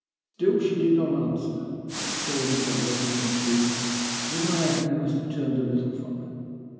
Still she did not answer. When I saw this I rose to my feet, and in my agony must have turned a little from her.